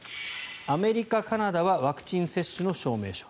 アメリカ、カナダはワクチン接種の証明書。